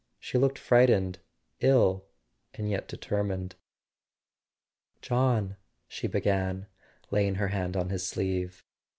She looked frightened, ill and yet determined. "John " she began, laying her hand on his sleeve.